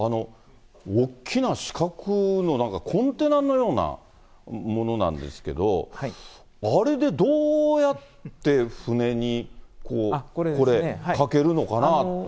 大きな四角の、なんかコンテナのようなものなんですけれども、あれでどうやって船に、これ、かけるのかなと。